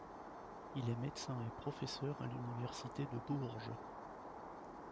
Il est médecin et professeur à l'université de Bourges.